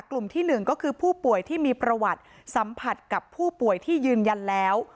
คือผู้ป่วยที่มีประวัติสัมผัสกับผู้ป่วยที่ยืนยันแล้ว